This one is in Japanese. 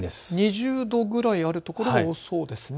２０度ぐらいある所が多そうですね。